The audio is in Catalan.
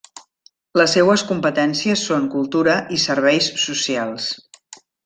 Les seues competències són Cultura i Serveis socials.